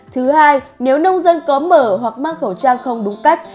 thứ hai nếu nông dân có mở hoặc mang khẩu trang không đúng cách